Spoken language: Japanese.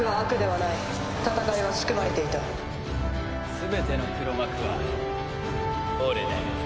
全ての黒幕は俺だよ。